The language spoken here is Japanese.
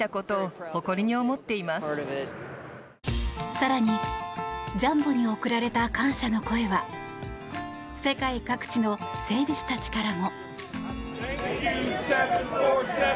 更にジャンボに贈られた感謝の声は世界各地の整備士たちからも。